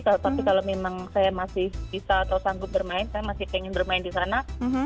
tapi kalau memang saya masih bisa atau sanggup bermain saya masih ingin bermain di sana